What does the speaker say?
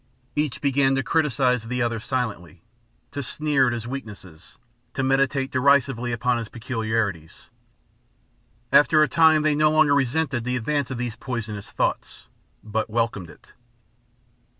Each began to criticize the other silently, to sneer at his weaknesses, to meditate derisively upon his peculiarities. After a time they no longer resisted the advance of these poisonous thoughts, but welcomed it.